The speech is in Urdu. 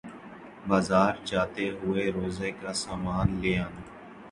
بازار جاتے ہوئے روزہ کا سامان لے آنا